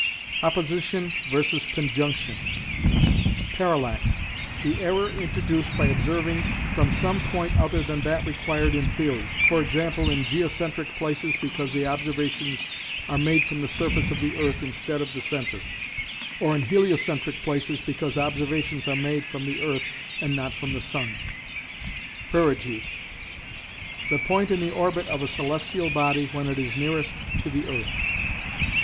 Opposition v. Conjunction. Parallax: The error introduced by observing from some point other than that required in theory, e.g. in geocentric places because the observations are made from the surface of the earth instead of the centre, or in heliocentric places because observations are made from the earth and not from the sun. Perigee: The point in the orbit of a celestial body when it is nearest to the earth.